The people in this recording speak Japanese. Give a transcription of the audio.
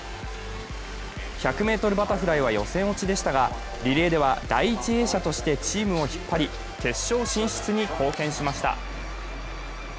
１００ｍバタフライは予選落ちでしたが、リレーでは第１泳者としてチームを引っ張り、決勝進出に貢献しました。